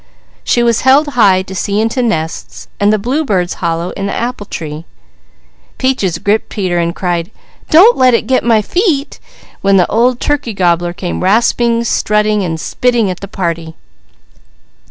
She was held high to see into nests and the bluebirds' hollow in the apple tree. Peaches gripped Peter and cried: "Don't let it get my feet!" when the old turkey gobbler came rasping, strutting, and spitting at the party.